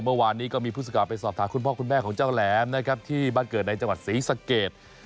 เมื่อวานนี้ก็มีผู้สื่อข่าวไปสอบถามคุณพ่อคุณแม่ของเจ้าแหลมนะครับที่บ้านเกิดในจังหวัดศรีสะเกด